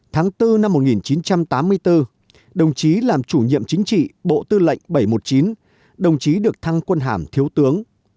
tháng bốn năm một nghìn chín trăm tám mươi bốn đồng chí làm chủ nhiệm chính trị bộ tư lệnh bảy trăm một mươi chín đồng chí được thăng quân hàm thiếu tướng